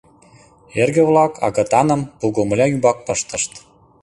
Эрге-влак агытаным пугомыля ӱмбак пыштышт.